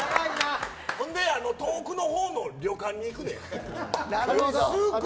ほんで、遠くのほうの旅館に行って。